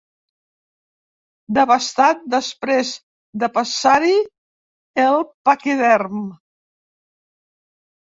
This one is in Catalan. Devastat després de passar-hi el paquiderm.